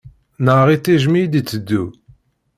Neɣ iṭij mi i d-iteddu.